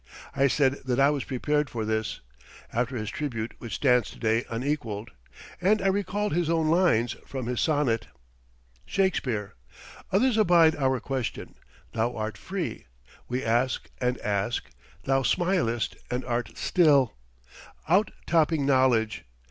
I said that I was prepared for this, after his tribute which stands to day unequaled, and I recalled his own lines from his sonnet: SHAKESPEARE Others abide our question. Thou art free. We ask and ask Thou smilest and art still, Out topping knowledge.